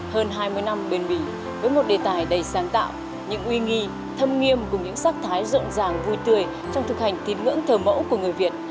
hơn hai mươi năm bền bỉ với một đề tài đầy sáng tạo những uy nghi thâm nghiêm cùng những sắc thái rộn ràng vui tươi trong thực hành tín ngưỡng thờ mẫu của người việt